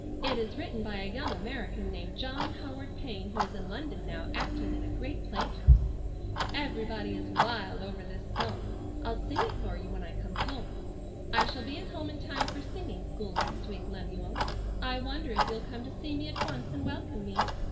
It is written by a young American named John Howard Payne who is in London now acting in a great playhouse. Everybody is wild over this song. I'll sing it for you when I come home. "I shall be at home in time for singing school next week, Lemuel. I wonder if you'll come to see me at once and welcome me.